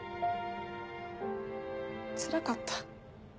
つらかった。